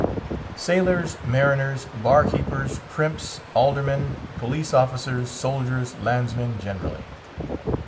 Sailors, Mariners, Bar keepers, Crimps, Aldermen, Police officer's, Soldiers, Landsmen generally.